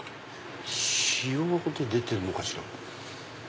塩の出てるのかしら。